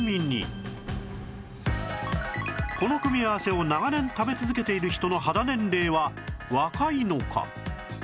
この組み合わせを長年食べ続けている人の肌年齢は若いのか？